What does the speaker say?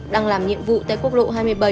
đang làm nhiệm vụ tại quốc lộ hai mươi bảy